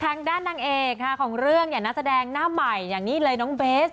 ทางด้านนางเอกของเรื่องอย่างนักแสดงหน้าใหม่อย่างนี้เลยน้องเบส